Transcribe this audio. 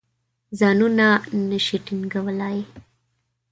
ځانونه نه شي ټینګولای.